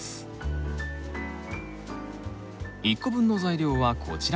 １個分の材料はこちら。